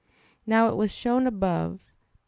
Now it was shown above (AA.